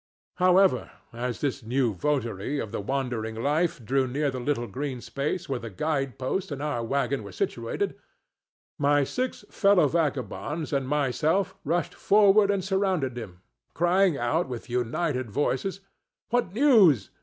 However, as this new votary of the wandering life drew near the little green space where the guide post and our wagon were situated, my six fellow vagabonds and myself rushed forward and surrounded him, crying out with united voices, "What news?